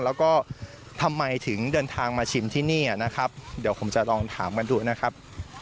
แล้วก็ทำไมถึงเดินทางมาชิมที่นี่นะครับเดี๋ยวผมจะลองถามกันดูนะครับ